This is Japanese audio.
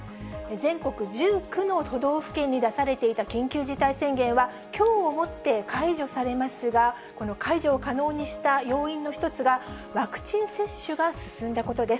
全国１９の都道府県に出されていた緊急事態宣言は、きょうをもって解除されますが、この解除を可能にした要因の一つが、ワクチン接種が進んだことです。